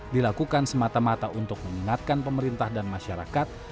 dilakukan semata mata untuk mengingatkan pemerintah dan masyarakat